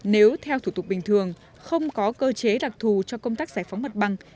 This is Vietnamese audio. nếu theo thủ tục bình thường không có cơ chế đặc thù cho công tác giải phóng mặt bằng